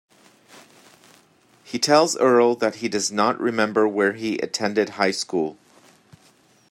He tells Earl that he does not remember where he attended high school.